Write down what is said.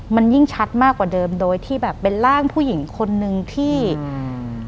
มันยิ่งชัดมากกว่าเดิมโดยที่แบบเป็นร่างผู้หญิงคนนึงที่อืม